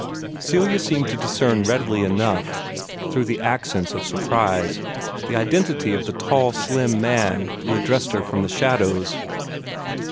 Celia seemed to discern readily enough, through the accents of surprise, the identity of the tall, slim man who addressed her from the shadows.